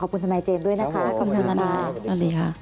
ขอบคุณทำไมเสมอด้วยนะคะขอบคุณค่ะมากค่ะ